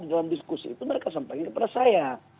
dalam diskusi itu mereka sampaikan kepada saya